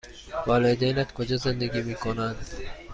والدینت کجا زندگی می کنند؟